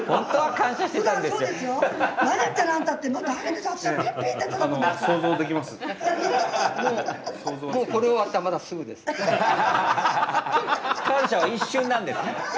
感謝は一瞬なんですね。